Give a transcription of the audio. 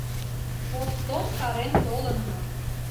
Постом шарен толынна.